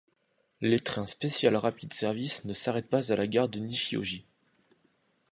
Les trains Special Rapid Service ne s'arrêtent pas à la gare de Nishiōji.